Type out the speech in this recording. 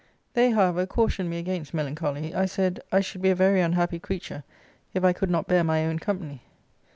They, however, cautioned me against melancholy. I said, I should be a very unhappy creature if I could not bear my own company.